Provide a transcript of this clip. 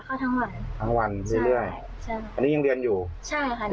เข้าทั้งวันทั้งวันเรื่อยเรื่อยใช่ค่ะอันนี้ยังเรียนอยู่ใช่ค่ะ